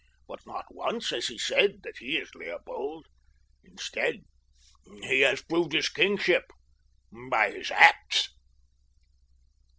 But not once has he said that he is Leopold. Instead, he has proved his kingship by his acts."